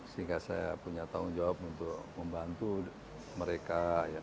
sehingga saya punya tanggung jawab untuk membantu mereka